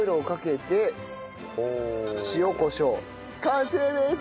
完成です！